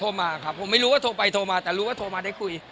มาครับผมไม่รู้ว่าโทรไปโทรมาแต่รู้ว่าโทรมาได้คุย